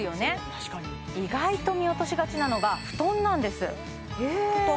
確かに意外と見落としがちなのが布団なんです布団？